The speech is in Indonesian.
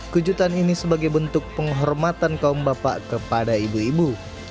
kejutan ini sebagai bentuk penghormatan kaum bapak kepada ibu ibu